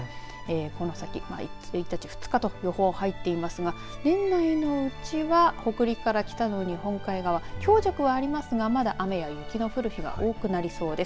この先１日、２日と予報入っていますが年内のうちは北陸から北の日本海側強弱はありますがまだ雨や雪の降る日が多くなりそうです。